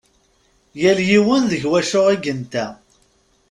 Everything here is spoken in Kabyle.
Yal yiwen deg wacu i yenta.